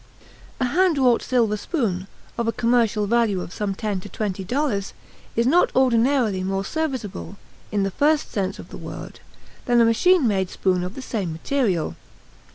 A hand wrought silver spoon, of a commercial value of some ten to twenty dollars, is not ordinarily more serviceable in the first sense of the word than a machine made spoon of the same material.